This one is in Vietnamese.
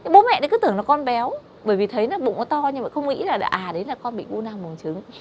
bố mẹ nó cứ tưởng là con béo bởi vì thấy bụng nó to nhưng mà không nghĩ là à đấy là con bị u năng buồn trứng